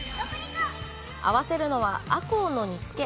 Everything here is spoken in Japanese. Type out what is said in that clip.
合わせるのは、アコウの煮つけ。